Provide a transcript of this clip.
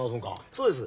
そうです。